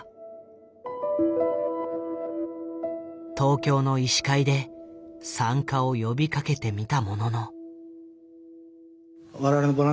東京の医師会で参加を呼びかけてみたものの。